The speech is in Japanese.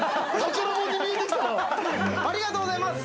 ありがとうございます！